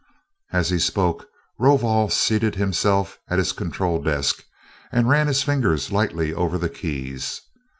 As he spoke, Rovol seated himself at his control desk and ran his fingers lightly over the keys.